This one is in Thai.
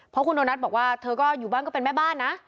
เพราะคุณโดนัทบอกว่าเธอก็อยู่บ้านก็เป็นแม่บ้านนะ